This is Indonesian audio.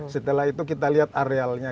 setelah itu kita lihat arealnya